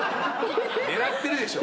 狙ってるでしょ。